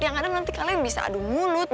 ya kadang kadang nanti kalian bisa adu mulut